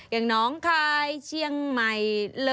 อย่างน้องคายเชียงใหม่